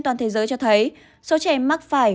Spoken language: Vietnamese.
toàn thế giới cho thấy số trẻ mắc phải